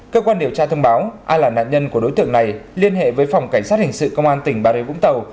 cơ quan điều tra thông báo ai là nạn nhân của đối tượng này liên hệ với phòng cảnh sát hình sự công an tỉnh bà rê vũng tàu